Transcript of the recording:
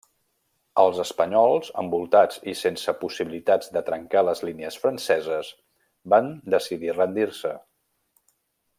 Els espanyols, envoltats i sense possibilitats de trencar les línies franceses van decidir rendir-se.